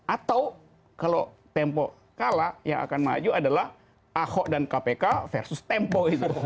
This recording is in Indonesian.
atau kalau tempo kalah yang akan maju adalah ahok dan kpk versus tempo itu